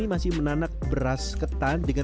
beras ketan putih minum beras ketan putih